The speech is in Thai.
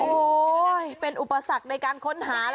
โอ้โหเป็นอุปสรรคในการค้นหา